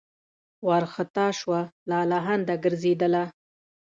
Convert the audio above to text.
وارخطا سوه لالهانده ګرځېدله